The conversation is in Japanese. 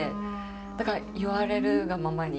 だから言われるがままに。